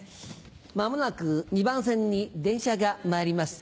「まもなく２番線に電車が参ります。